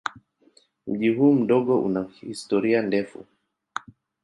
Mji huu mdogo una historia ndefu.